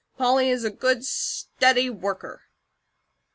Polly is a good, steady worker."